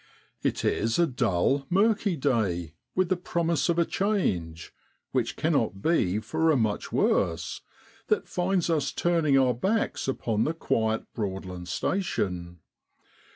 It is a dull, murky day, with the promise of a change which cannot be for a much worse that finds us turning our backs upon the quiet Broadland station.